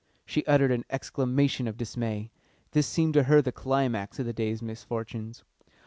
She uttered an exclamation of dismay this seemed to her the climax of the day's misfortunes.